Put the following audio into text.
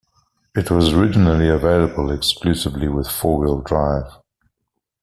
It was originally available exclusively with four-wheel drive.